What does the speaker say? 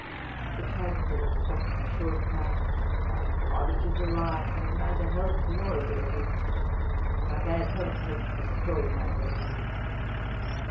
The Chancellor stopped him short, crying, " By God, it is a lie ! I have neither health nor abilities ; my bad health has des troyed mj' abilities."